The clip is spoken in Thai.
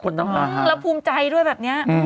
แล้วภูมิใจด้วยแบบนี้